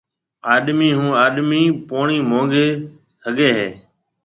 آڏمِي هون آڏمِي پوڻِي مونگي هگهي هيَ۔